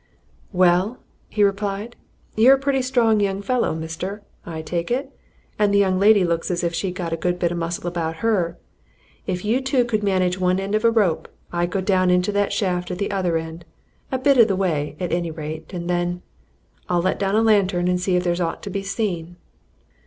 "Well," he replied, "you're a pretty strong young fellow, mister, I take it, and the young lady looks as if she'd got a bit of good muscle about her. If you two could manage one end of a rope, I'd go down into that shaft at the other end a bit of the way, at any rate. And then I'd let down a lantern and see if there's aught to be seen."